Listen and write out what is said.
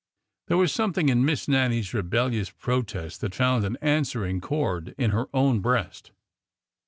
There was something in Miss Nannie's rebel lious protest that found an answering chord in her own breast.